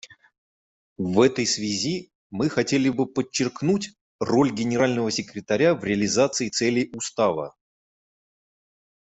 В этой связи мы хотели бы подчеркнуть роль Генерального секретаря в реализации целей Устава.